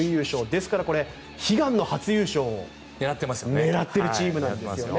ですから、悲願の初優勝を狙っているチームですよね。